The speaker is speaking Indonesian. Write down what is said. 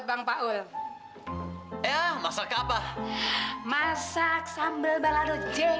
bagaimana kayanya kamu bona bfontari matahari